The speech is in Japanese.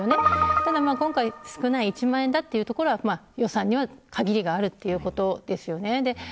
ただ、今回少ない１万円だというところは予算には限りがあるということですよね。